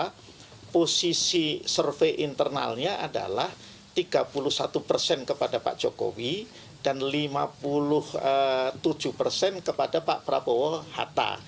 karena posisi survei internalnya adalah tiga puluh satu persen kepada pak jokowi dan lima puluh tujuh persen kepada pak prabowo hatta